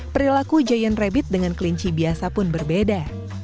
perilaku giant rabbit dengan kelinci biasa pun berbeda